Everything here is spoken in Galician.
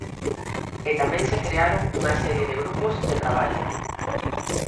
E tamén se crearon unha serie de grupos de traballo.